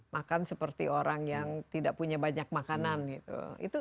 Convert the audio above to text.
makan seperti orang yang tidak punya banyak makanan gitu